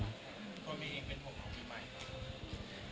พี่มีเองเป็นห่วงของปีใหม่ครับ